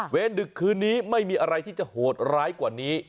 ดึกคืนนี้ไม่มีอะไรที่จะโหดร้ายกว่านี้